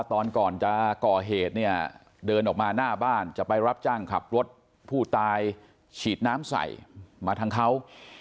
ตอนก่อนจะก่อเหตุเนี่ยเดินออกมาหน้าบ้านจะไปรับจ้างขับรถผู้ตายฉีดน้ำใส่มาทางเขา